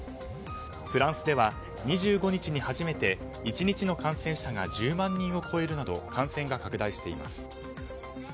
フランスでは２５日に初めて１日の感染者が１０万人を超えるなど感染が拡大しています。